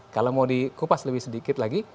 kalau mau di kupas lebih sedikit lagi